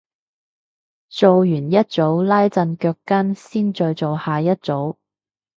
做完一組拉陣腳筋先再做下一組